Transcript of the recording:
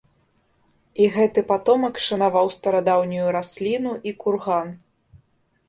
І гэты патомак шанаваў старадаўнюю расліну і курган.